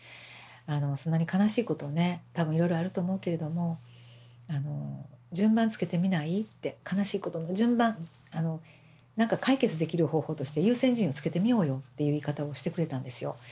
「そんなに悲しいことね多分いろいろあると思うけれども順番つけてみない？」って悲しいことも順番なんか解決できる方法として優先順位をつけてみようよっていう言い方をしてくれたんですよ。